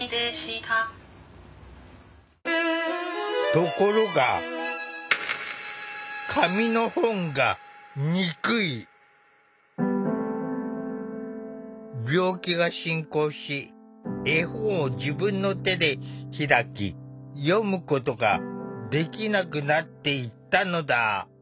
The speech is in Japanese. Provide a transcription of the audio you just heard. ところが病気が進行し絵本を自分の手で開き読むことができなくなっていったのだ。